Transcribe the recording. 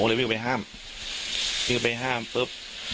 เลยวิ่งไปห้ามวิ่งไปห้ามปุ๊บ